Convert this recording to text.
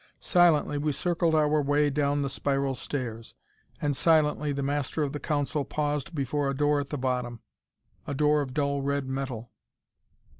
Silently we circled our way down the spiral stairs, and silently the Master of the Council paused before a door at the bottom a door of dull red metal.